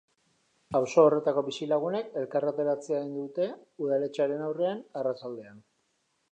Auzo horretako bizilagunek elkarretaratzea egin dute udaletxearen aurrean, arratsaldean.